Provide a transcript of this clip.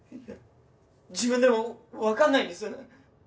自分でも分かんないんです。